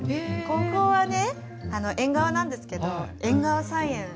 ここはね縁側なんですけど縁側菜園。